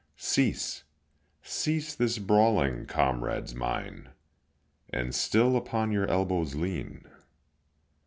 Cease, cease this brawling, comrades mine, And still upon your elbows lean.